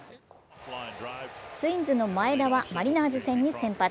ツインズの前田はマリナーズ戦に先発。